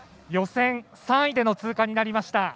予選３位での通過になりました。